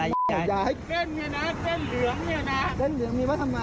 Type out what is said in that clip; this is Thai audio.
ถ้าแหยกย้ายอีกค่ะไม่มีอะไร